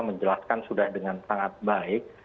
menjelaskan sudah dengan sangat baik